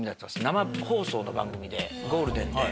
生放送の番組でゴールデンで。